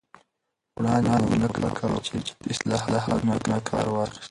وړاندې مغلق او پیچیده اصطلاحاتو نه کار واخست